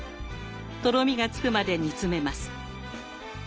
とろみがつくまで煮詰めます。